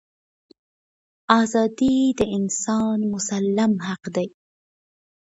ازادي د هر انسان مسلم حق دی.